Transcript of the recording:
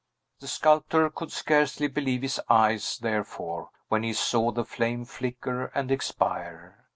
The sculptor could scarcely believe his eyes, therefore, when he saw the flame flicker and expire.